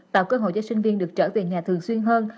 tạo cơ hội cho sinh viên được trở về nhà thường xuyên hơn